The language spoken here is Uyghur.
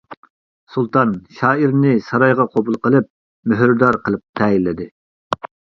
سۇلتان شائىرنى سارايغا قوبۇل قىلىپ، مۆھۈردار قىلىپ تەيىنلىدى.